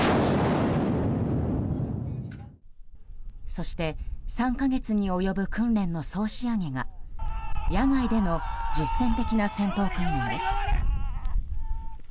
そして、３か月に及ぶ訓練の総仕上げが野外での実践的な戦闘訓練です。